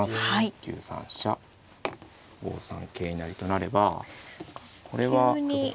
９三飛車５三桂成となればこれは。